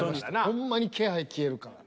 ほんまに気配消えるから。